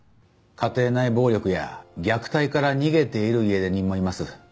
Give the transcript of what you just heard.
家庭内暴力や虐待から逃げている家出人もいます。